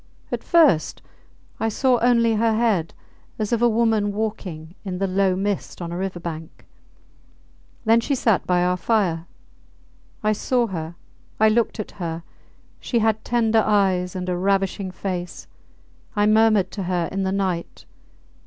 At first I saw only her head, as of a woman walking in the low mist on a river bank. Then she sat by our fire. I saw her! I looked at her! She had tender eyes and a ravishing face. I murmured to her in the night.